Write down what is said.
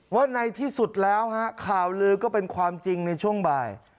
ว่าในที่สุดแล้วฮะข่าวลือก็เป็นความจริงในช่วงบ่าย